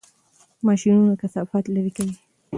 ماشینونه کثافات لرې کوي.